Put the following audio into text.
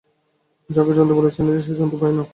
যাকে জন্তু বলে চেনা যায় না সেই জন্তুই ভয়ানক।